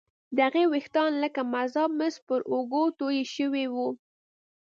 د هغې ويښتان لکه مذاب مس پر اوږو توې شوي وو